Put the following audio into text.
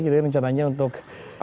kita rencananya untuk